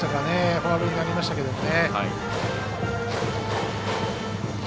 ファウルになりましたけどね。